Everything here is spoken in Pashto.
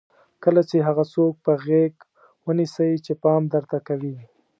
کله چې هغه څوک په غېږ ونیسئ چې پام درته کوي.